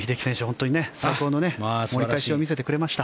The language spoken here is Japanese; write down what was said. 本当に最高の盛り返しを見せてくれました。